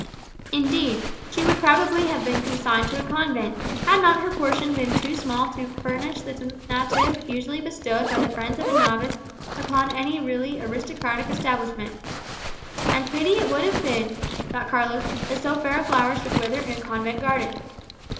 Indeed, she would probably have been consigned to a convent, had not her portion been too small to furnish the donative usually bestowed by the friends of a novice upon any really aristocratic establishment. "And pity would it have been," thought Carlos, "that so fair a flower should wither in a convent garden."